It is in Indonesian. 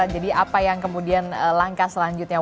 jadi apa yang kemudian langkah selanjutnya